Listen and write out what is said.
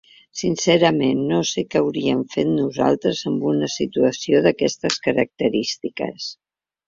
Sincerament no sé què hauríem fet nosaltres en una situació d’aquestes característiques.